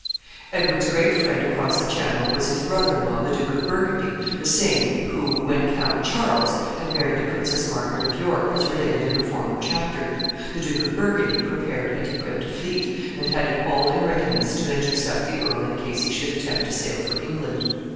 Edward's great friend across the Channel was his brother in law, the Duke of Burgundy, the same who, when Count Charles, had married the Princess Margaret of York, as related in a former chapter. The Duke of Burgundy prepared and equipped a fleet, and had it all in readiness to intercept the earl in case he should attempt to sail for England.